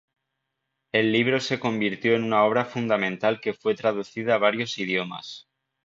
El libro se convirtió en una obra fundamental que fue traducida a varios idiomas.